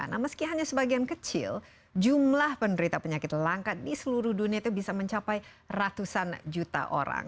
nah meski hanya sebagian kecil jumlah penderita penyakit langka di seluruh dunia itu bisa mencapai ratusan juta orang